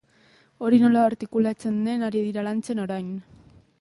Hori nola artikulatzen den ari dira lantzen orain.